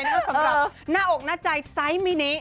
สำหรับหน้าอกหน้าใจไซส์มินิ